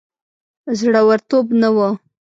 زړه ورتوب نه وو.